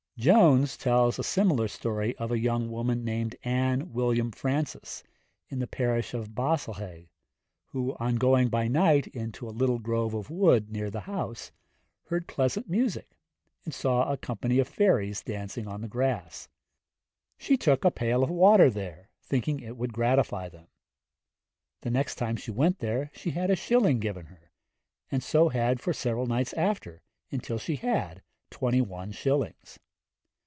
Jones tells a similar story of a young woman named Anne William Francis, in the parish of Bassalleg, who on going by night into a little grove of wood near the house, heard pleasant music, and saw a company of fairies dancing on the grass. She took a pail of water there, thinking it would gratify them. The next time she went there she had a shilling given her, 'and so had for several nights after, until she had twenty one shillings.'